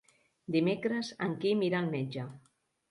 Dimecres en Quim irà al metge.